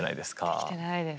出てきてないです。